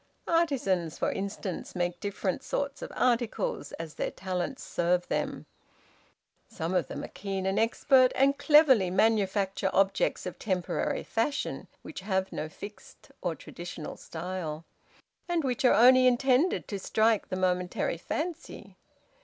Artisans, for instance, make different sorts of articles, as their talents serve them. Some of them are keen and expert, and cleverly manufacture objects of temporary fashion, which have no fixed or traditional style, and which are only intended to strike the momentary fancy.